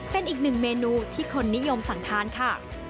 เป็นอีกหนึ่งเมนูที่คนนิยมสั่งทานค่ะ